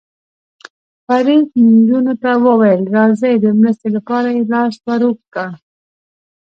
فرید نجونو ته وویل: راځئ، د مرستې لپاره یې لاس ور اوږد کړ.